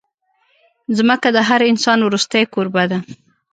ځمکه د هر انسان وروستۍ کوربه ده.